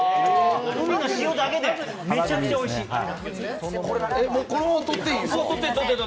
海の塩だけでめちゃくちゃおいしいから。